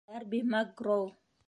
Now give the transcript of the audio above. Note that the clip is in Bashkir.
— Дарби Макгроу!